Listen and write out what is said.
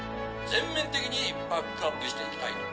全面的にバックアップして行きたいと。